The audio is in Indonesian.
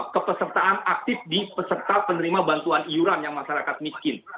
kepesertaan aktif di peserta penerima bantuan iuran yang masyarakat miskin